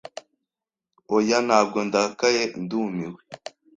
Oya, ntabwo ndakaye, ndumiwe.